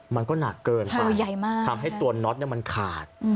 มันก็หนักเกินไปทำให้ตัวน็อตมันขาด